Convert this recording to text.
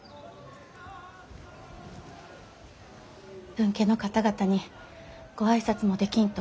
分家の方々にご挨拶もできんと。